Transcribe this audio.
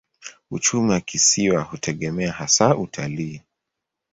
Uchumi wa kisiwa hutegemea hasa utalii.